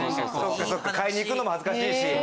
買いに行くのも恥ずかしいし。